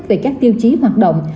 về các tiêu chí hoạt động